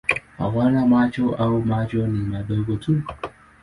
Hawana macho au macho ni madogo tu.